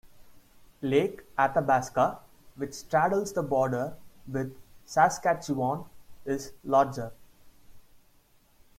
Lake Athabasca, which straddles the border with Saskatchewan, is larger.